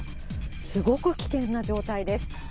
すごく危険な状態です。